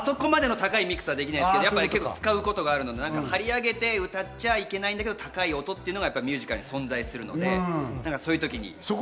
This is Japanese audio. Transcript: あそこまでの高いミックスはできないですけど、使うことがあるので、張り上げて歌っちゃいけないけど、高い音っていうのがミュージカルに存在するので、そういう時に。